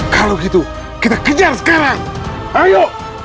kalau gitu kita kejar sekarang ayo